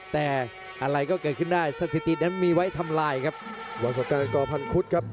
แต่อะไรก็เกิดขึ้นได้สถิตินั้นมีไว้ทำลายครับ